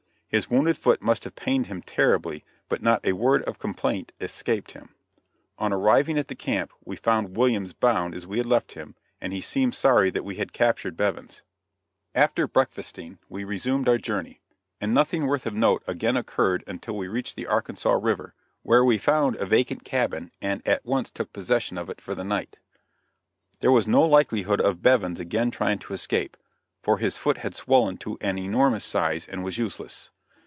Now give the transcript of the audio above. His wounded foot must have pained him terribly but not a word of complaint escaped him. On arriving at the camp we found Williams bound as we had left him and he seemed sorry that we had captured Bevins. [Illustration: THE RECAPTURE OF BEVINS.] After breakfasting we resumed our journey, and nothing worth of note again occurred until we reached the Arkansas river, where we found a vacant cabin and at once took possession of it for the night. There was no likelihood of Bevins again trying to escape, for his foot had swollen to an enormous size, and was useless.